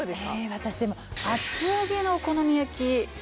私でも厚揚げのお好み焼き。